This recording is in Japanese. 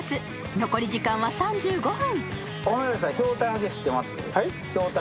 残り時間は３５分。